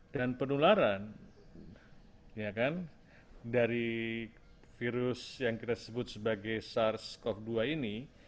dan penularan dari virus yang kita sebut sebagai sars cov dua ini